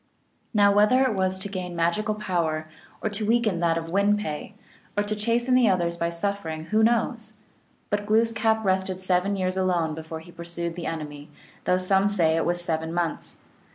Now whether it was to gain magical power, or to weaken that of Win pe, or to chasten the others by suffering, who knows? But Glooskap rested seven years alone before he pursued the enemy, though some say it was seven months.